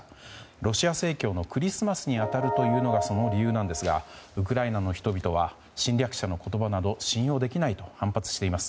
ロシア正教のクリスマスに当たるというのがその理由なんですがウクライナの人々は侵略者の言葉など信用できないと反発しています。